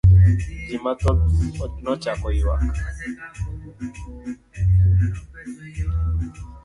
Ji mathoth nochako ywak….